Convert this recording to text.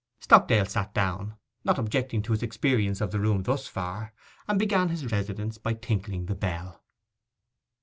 Stockdale sat down, not objecting to his experience of the room thus far, and began his residence by tinkling the bell.